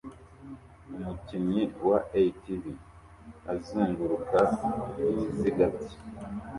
Umukinnyi wa ATV azunguruka ibiziga bye